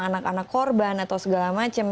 anak anak korban atau segala macam